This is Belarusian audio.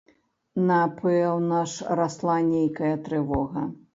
Напэўна ж, расла нейкая трывога.